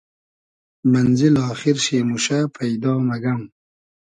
مئنزیل آخیر شی موشۂ پݷدا مئگئم